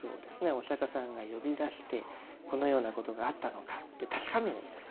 お釈迦さんが呼び出してこのようなことがあったのかって確かめるんですよね。